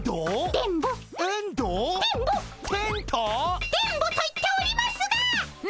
電ボと言っておりますが！